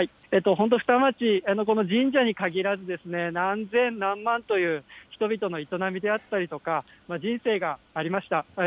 本当、双葉町、この神社にかぎらず、何千、何万という人々の営みであったりとか、人生がありました。